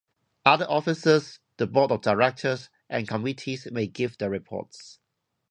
Other officers, the board of directors, and committees may give their reports.